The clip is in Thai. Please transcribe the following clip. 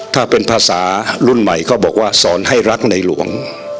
ถ้าเป็นภาษารุ่นใหม่เขาบอกว่าสอนให้รักในหลวง